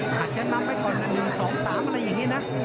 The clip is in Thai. อาจจะนำไว้ก่อน๑๒๓อะไรอย่างนี้นะ